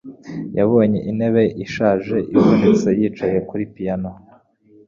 Yabonye intebe ishaje, ivunitse yicara kuri piyano.